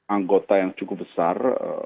anggota yang cukup besar